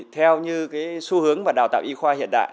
theo như xu hướng và đào tạo y khoa hiện đại